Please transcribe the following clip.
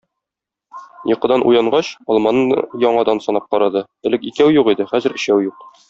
Йокыдан уянгач, алманы яңадан санап карады, элек икәү юк иде, хәзер өчәү юк.